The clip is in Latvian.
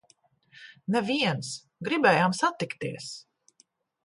Neviens! Gribējām satikties!